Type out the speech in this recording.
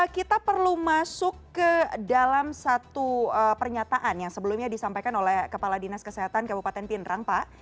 kita perlu masuk ke dalam satu pernyataan yang sebelumnya disampaikan oleh kepala dinas kesehatan kabupaten pindrang pak